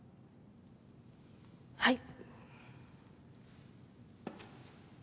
はい。